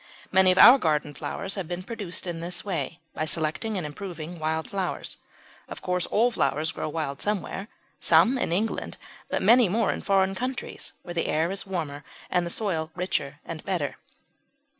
Many of our garden flowers have been produced in this way, by selecting and improving wild flowers. Of course all flowers grow wild somewhere; some in England, but many more in foreign countries, where the air is warmer and the soil richer and better.